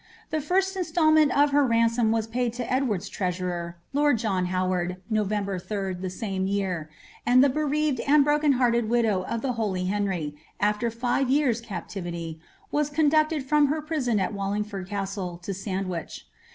The Rrsl instalment of her ransom was paid to Edward's treasurer, lord John Howard, November 3d, the same year, Mut the bereaved and broken hearted widow of the holy Henry, afttc five years' captivity, was conducted from her prison al Wallingfiitd Caatle to Sandwich.